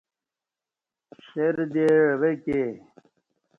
شیردے عوہ کے